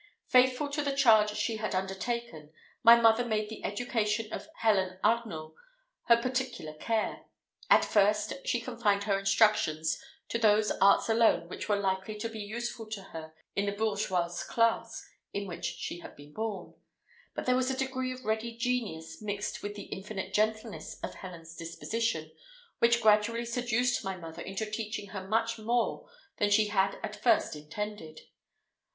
Faithful to the charge she had undertaken, my mother made the education of Helen Arnault her particular care. At first, she confined her instructions to those arts alone that were likely to be useful to her in the bourgeoise class in which she had been born; but there was a degree of ready genius mixed with the infinite gentleness of Helen's disposition, which gradually seduced my mother into teaching her much more than she had at first intended.